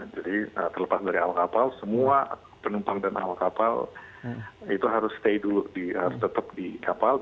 jadi terlepas dari awak kapal semua penumpang dan awak kapal itu harus stay dulu harus tetap di kapal